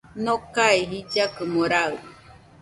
Nokae jillakɨmo raɨ